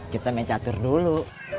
kita mecatur dulu